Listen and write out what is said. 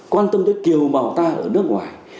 quan tâm tới kiều bào ta ở nước ngoài